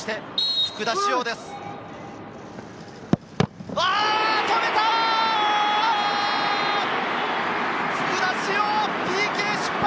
福田師王、ＰＫ失敗！